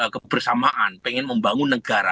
kebersamaan pengen membangun negara